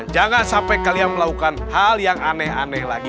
jangan sampai kalian melakukan hal yang aneh aneh lagi